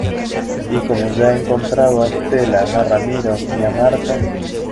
y como ya he encontrado a Estela, a Ramiro y a Marta...